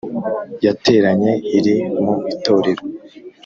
Yateranye iri mu itorero